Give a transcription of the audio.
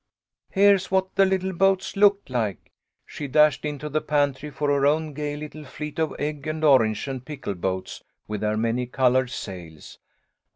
Here's what the little boats looked like." She dashed into the pantry for her own gay little fleet of egg and orange and pickle boats with their many coloured sails.